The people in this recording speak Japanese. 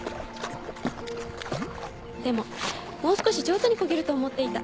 でももう少し上手にこげると思っていた。